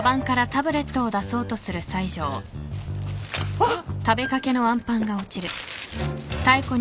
あっ。